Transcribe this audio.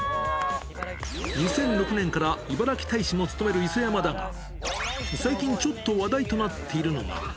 ２００６年からいばらき大使も務める磯山だが、最近ちょっと話題となっているのが。